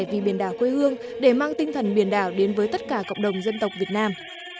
vì biển đảo quê hương để mang tinh thần biển đảo đến với tất cả cộng đồng dân tộc việt nam